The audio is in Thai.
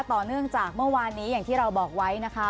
ต่อเนื่องจากเมื่อวานนี้อย่างที่เราบอกไว้นะคะ